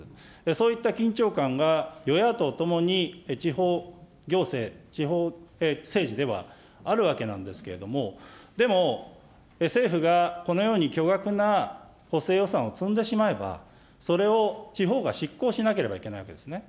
そういった緊張感が与野党ともに、地方行政、地方政治ではあるわけなんですけれども、でも政府がこのように巨額な補正予算を積んでしまえば、それを地方が執行しなければいけないわけですね。